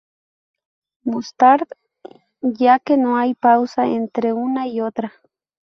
Mustard",ya que no hay pausa entre una y otra.